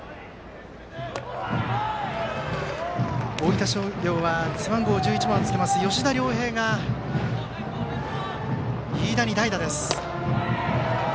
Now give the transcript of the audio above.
大分商業は背番号１１番の吉田凌兵が、飯田に代打です。